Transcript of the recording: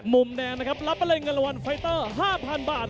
มุมแนนนะครับรับไปเลยเงินรางวัลไฟเตอร์๕๐๐๐บาท